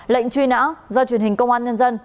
lệnh truy nã do truyền hình công an nhân dân